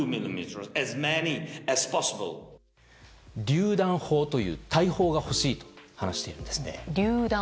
りゅう弾砲という大砲が欲しいと話しているんですね。